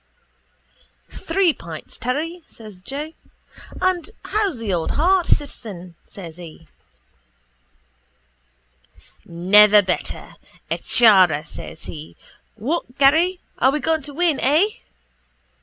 —Three pints, Terry, says Joe. And how's the old heart, citizen? says he. —Never better, a chara, says he. What Garry? Are we going to win? Eh?